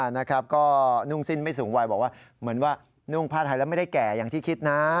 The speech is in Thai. นะครับก็นุ่งสิ้นไม่สูงวัยบอกว่าเหมือนว่านุ่งผ้าไทยแล้วไม่ได้แก่อย่างที่คิดนะ